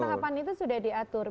tahapan itu sudah diatur